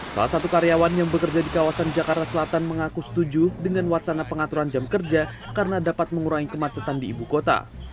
salah satu karyawan yang bekerja di kawasan jakarta selatan mengaku setuju dengan wacana pengaturan jam kerja karena dapat mengurangi kemacetan di ibu kota